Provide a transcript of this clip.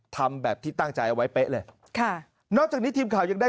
ทำแบบที่ตั้งใจเอาไว้เป๊ะเลยค่ะนอกจากนี้ทีมข่าวยังได้